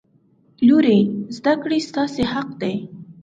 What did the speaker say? لورې! زده کړې ستاسې حق دی.